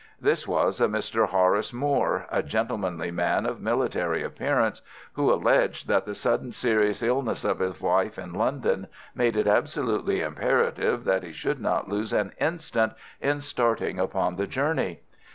This was a Mr. Horace Moore, a gentlemanly man of military appearance, who alleged that the sudden serious illness of his wife in London made it absolutely imperative that he should not lose an instant in starting upon the journey.